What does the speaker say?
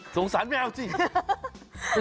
สงสารแมวจริง